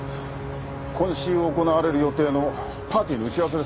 今週行われる予定のパーティーの打ち合わせです。